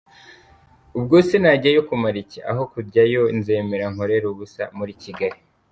Ubwo se najyayo kumara iki? Aho kujyayo nzemera nkorere ubusa muri Kigali”.